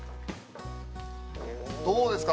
どうですか？